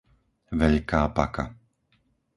Veľká Paka